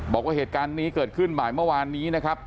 บอกว่าเหตุการณ์นี้เกิดขึ้นบ่ายเมื่อวานนี้นะครับ